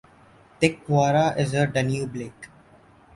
Tikvara is a Danube lake.